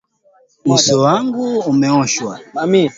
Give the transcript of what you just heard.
Uso wangu umeoshwa.